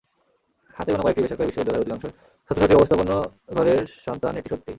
হাতে গোনা কয়েকটি বেসরকারি বিশ্ববিদ্যালয়ের অধিকাংশ ছাত্রছাত্রী অবস্থাপন্ন ঘরের সন্তান এটি সত্যি।